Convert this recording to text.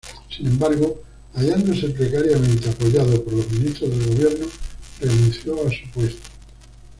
Sin embargo, hallándose precariamente apoyado por los ministros del gobierno, renunció a su puesto.